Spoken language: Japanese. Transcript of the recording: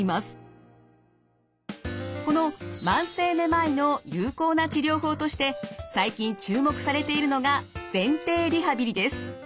この慢性めまいの有効な治療法として最近注目されているのが前庭リハビリです。